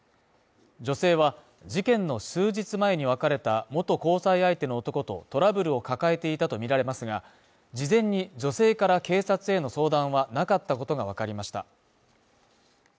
女性は事件の数日前に別れた元交際相手の男とトラブルを抱えていたとみられますが、事前に女性から警察への相談はなかったことがわかりました。